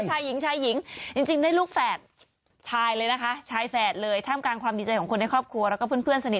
อ่าจออีธานนทร์เหลือแค่๑๓องศาเอง